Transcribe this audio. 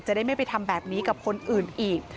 ได้ไม่ไปทำแบบนี้กับคนอื่นอีก